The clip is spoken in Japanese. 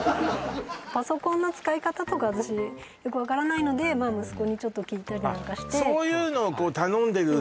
パソコンの使い方とか私よく分からないので息子にちょっと聞いたりなんかしてそうですね